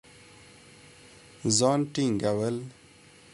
ځان ټينګول